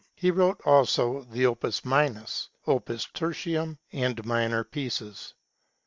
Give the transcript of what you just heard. He wrote also the " Opus Minus," " Opus Tertiuin," and minor pieces.